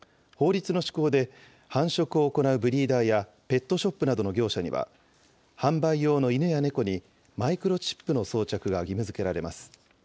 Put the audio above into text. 法律の施行で、繁殖を行うブリーダーやペットショップなどの業者には、販売用の犬や猫にマイクロチップの装着が義務づけられます。